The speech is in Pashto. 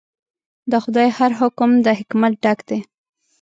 د خدای هر حکم د حکمت ډک دی.